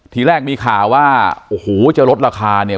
ทีแรกมีข่าวว่าโอ้โหจะลดราคาเนี่ย